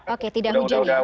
oke tidak hujan ya